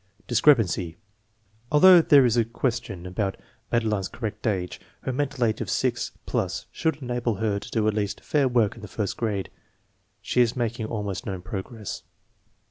Discrepancy: Although there is a question about Made line's correct age, her mental age of 6 plus should enable her to do at least fair work in the first grade. She is making al most no progress.